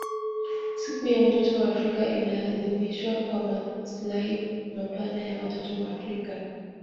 Siku ya mtoto wa Afrika inaadhimishwa kwa maslahi mapana ya watoto wa Afrika